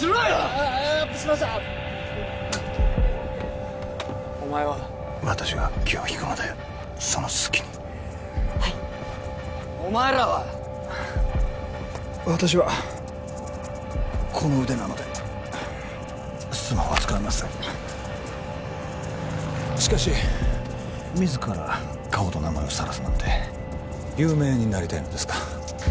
ああアップしましたお前は私が気を引くのでその隙にはいお前らは私はこの腕なのでスマホは使えませんしかし自ら顔と名前をさらすなんて有名になりたいのですか？